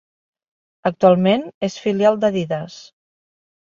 Actualment és filial d'Adidas.